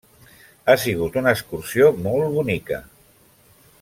Ha sigut una excursió molt bonica.